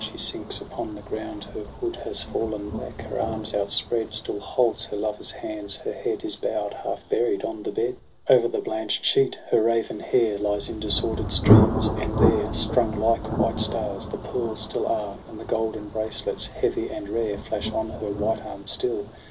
She sinks upon the ground; — her hood Had fallen back, her arms outspread Still holds her lover's hands ; her head Is bow'd, half buried, on the bed. O'er the blanch'd sheet her raven hair Lies in disorder'd streams; and there. Strung like white stars, the pearls still are, And the golden bracelets, heavy and rare, Flash on her white arms still.